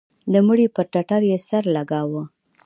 د مړي پر ټټر يې سر لگاوه.